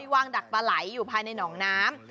ดักปลาไหลอยู่ภายในหนองน้ำ